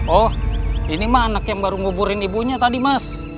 oh ini mah anak yang baru nguburin ibunya tadi mas